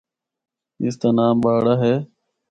اس دا ناں باڑہ ہے۔